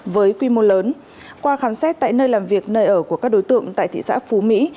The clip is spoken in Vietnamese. với quy mô lớn qua khám xét tại nơi làm việc nơi ở của các đối tượng tại thị xã phú mỹ